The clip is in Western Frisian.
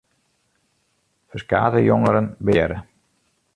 Ferskate jongeren binne trappearre.